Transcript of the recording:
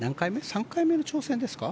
３回目の挑戦ですか？